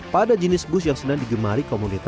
pada jenis bus yang senang digemari